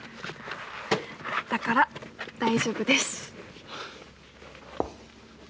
だから大丈夫です。